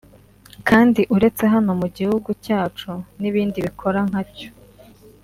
Kandi uretse hano mu gihugu cyacu n’ibindi bikora nkacyo